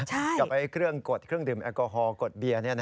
กับเครื่องกดเครื่องดื่มแอลกอฮอลกดเบียร์